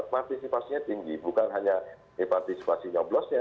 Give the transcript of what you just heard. partisipasinya tinggi bukan hanya partisipasi nyoblosnya